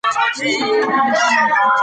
ستوري په حقیقت کې ډېر لوی دي.